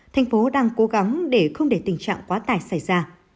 tp hcm đang cố gắng để không để tình trạng quá tải xảy ra